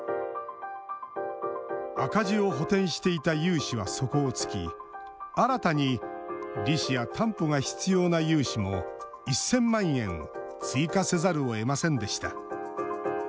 赤字を補填していた融資は底をつき新たに利子や担保が必要な融資も１０００万円追加せざるをえませんでした。